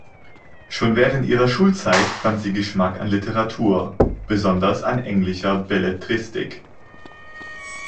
Schon während ihrer Schulzeit fand sie Geschmack an Literatur, besonders an englischer Belletristik.